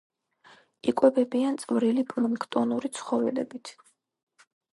იკვებებიან წვრილი პლანქტონური ცხოველებით.